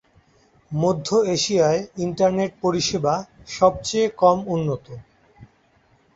মধ্য এশিয়ায় ইন্টারনেট পরিষেবা সবচেয়ে কম উন্নত।